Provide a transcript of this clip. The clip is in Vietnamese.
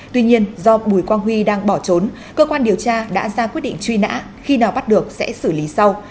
tuy nhiên do bùi quang huy đang bỏ trốn cơ quan điều tra đã ra quyết định truy nã khi nào bắt được sẽ xử lý sau